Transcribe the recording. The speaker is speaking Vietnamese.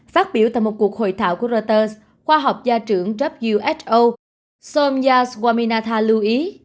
phát biểu tại một cuộc hội thảo của reuters khoa học gia trưởng who soumya swaminathan lưu ý